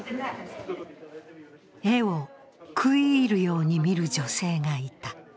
絵を食い入るように見る女性がいた。